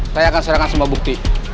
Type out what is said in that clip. saya akan serahkan semua bukti